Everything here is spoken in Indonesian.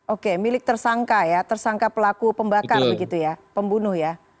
oke milik tersangka ya tersangka pelaku pembakar begitu ya pembunuh ya